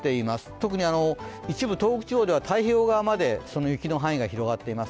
特に一部東北地方では太平洋側までその雪の範囲が広がっています。